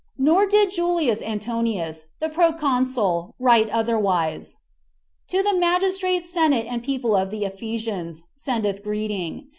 7. Nor did Julius Antonius, the proconsul, write otherwise. "To the magistrates, senate, and people of the Ephesians, sendeth greeting.